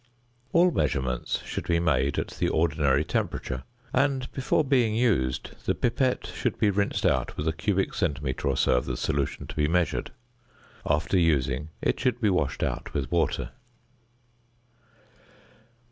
All measurements should be made at the ordinary temperature; and, before being used, the pipette should be rinsed out with a cubic centimetre or so of the solution to be measured. After using, it should be washed out with water.